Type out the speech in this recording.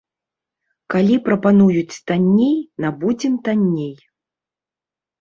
Калі прапануюць танней, набудзем танней.